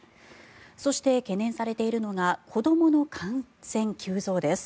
そして、懸念されているのが子どもの感染急増です。